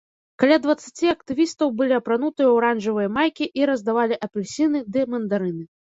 Каля дваццаці актывістаў былі апранутыя ў аранжавыя майкі і раздавалі апельсіны ды мандарыны.